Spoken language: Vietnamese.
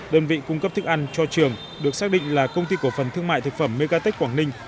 đơn vị cung cấp thức ăn cho trường được xác định là công ty cổ phần thương mại thực phẩm megatech quảng ninh